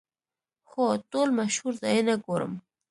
هو، ټول مشهور ځایونه ګورم